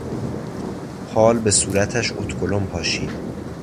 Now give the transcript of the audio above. پال به صورتش ادوکلن پاشید.